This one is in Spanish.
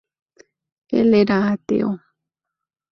Él era ateo.